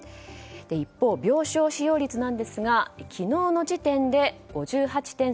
一方、病床使用率ですが昨日の時点で５８．３％。